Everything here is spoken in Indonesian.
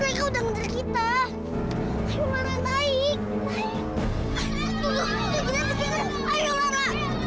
eh jangan dong jadi goyang goyang gini